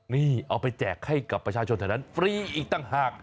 นี่เอาไปแจกให้กับประชาชนแถวนั้นฟรีอีกต่างหาก